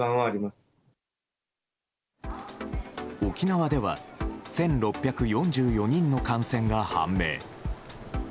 沖縄では１６４４人の感染が判明。